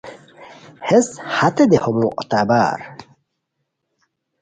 ہسے ہتے دیہو معتبر